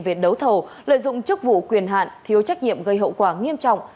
về đấu thầu lợi dụng chức vụ quyền hạn thiếu trách nhiệm gây hậu quả nghiêm trọng